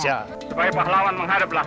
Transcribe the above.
supaya pahlawan menghadaplah